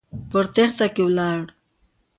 په تېښته کې ولاړ.